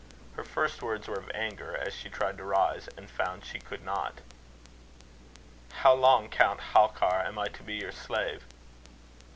Her first words were of anger, as she tried to rise, and found she could not. "How long, Count Halkar, am I to be your slave?"